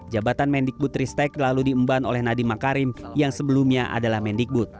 jabatan mendikbud ristek lalu diemban oleh nadiem makarim yang sebelumnya adalah mendikbud